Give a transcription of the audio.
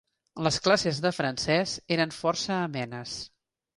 Les classes de francès eren força amenes.